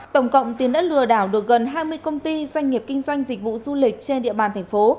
tổng cộng tiến đã lừa đảo được gần hai mươi công ty doanh nghiệp kinh doanh dịch vụ du lịch trên địa bàn thành phố